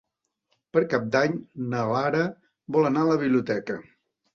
Per Cap d'Any na Lara vol anar a la biblioteca.